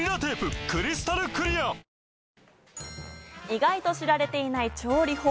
意外と知られていない調理法。